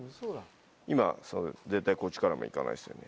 今絶対こっちからも行かないですよね。